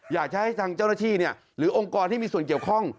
อยากจะให้ทางเจ้าหน้าที่หรือองค์กรที่มีส่วนเกี่ยวข้อง